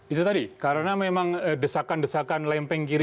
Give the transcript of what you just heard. itu tadi karena memang desakan desakan lempeng kiri